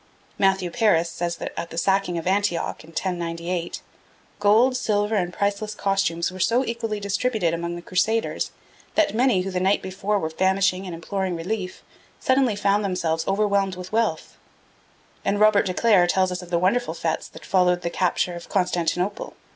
Matthew Paris says that at the sacking of Antioch, in 1098, gold, silver and priceless costumes were so equally distributed among the Crusaders, that many who the night before were famishing and imploring relief, suddenly found themselves overwhelmed with wealth; and Robert de Clair tells us of the wonderful fetes that followed the capture of Constantinople.